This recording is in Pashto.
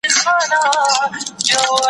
که وخت وي! جواب ورکوم!